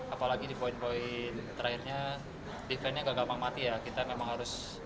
apalagi di poin poin terakhirnya defendnya gak gampang mati ya